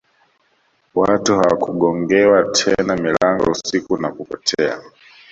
Watu hawakugongewa tena milango usiku na kupotea